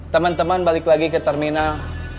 teman teman balik lagi ke terminal